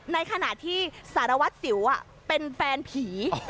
ในขณะที่สารวัตรสิวเป็นแฟนผี